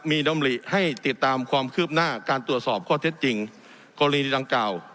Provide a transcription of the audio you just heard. มีดำริให้ติดตามความคืบหน้าการตรวจสอบข้อเท็จจริงกรณีดังกล่าว